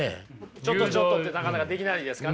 「ちょっとちょっと」ってなかなかできないですかね。